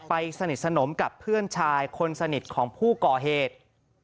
สนิทสนมกับเพื่อนชายคนสนิทของผู้ก่อเหตุ